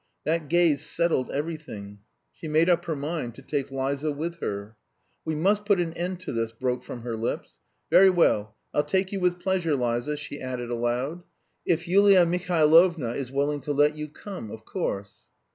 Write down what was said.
That gaze settled everything. She made up her mind to take Liza with her. "We must put an end to this!" broke from her lips. "Very well, I'll take you with pleasure, Liza," she added aloud, "if Yulia Mihailovna is willing to let you come, of course."